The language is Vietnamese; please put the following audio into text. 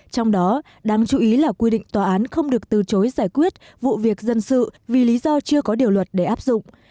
trong đó đáng chú ý là quy định tòa án không được từ chối giải quyết vụ việc dân sự vì lý do chưa có điều luật để áp dụng